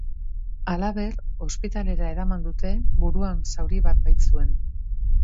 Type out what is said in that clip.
Halaber, ospitalera eraman dute, buruan zauri bat baitzuen.